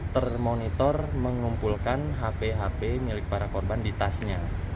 termonitor mengumpulkan hp hp milik para korban di tasnya